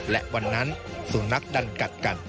และวันนั้นสุนัขดันกัดกัน